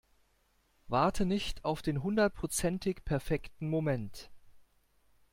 Warte nicht auf den hundertprozentig perfekten Moment.